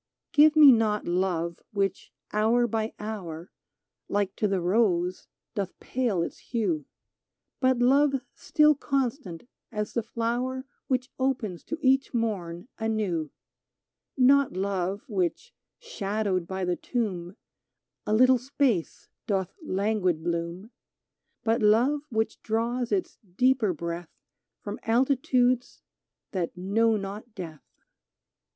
Give me not love which hour by hour, Like to the rose, doth pale its hue ; 141 "GIVE ME NOT LOVE But love still constant as the flower Which opens to each morn anew : Not love which, shadowed by the tomb, A little space doth languid bloom, But love which draws its deeper breath From altitudes that know not death.